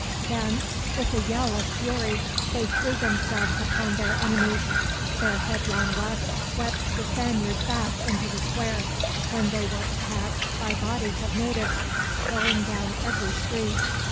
Then, with a yell of fury, they threw themselves upon their enemies. Their headlong rush swept the Spaniards back into the square, when they were attacked by bodies of natives, pouring down every street.